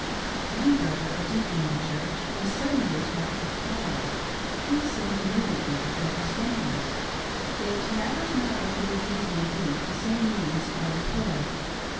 One brother — a deacon in the church — was suddenly at tacked with cholera. He sent immediately for Elder Sten house. It rnatters not what the disease may be, the same means are employed.